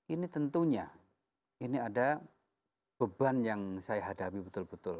ini tentunya ini ada beban yang saya hadapi betul betul